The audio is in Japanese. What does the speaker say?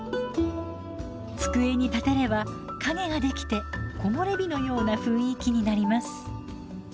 机に立てれば影ができて木漏れ日のような雰囲気になります。